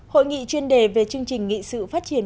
hội nghị chuyên đề về chương trình nghị sự phát triển